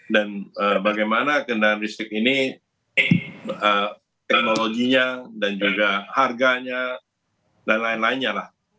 dan bagaimana kendaraan listrik ini teknologinya dan juga harganya dan lain lainnya lah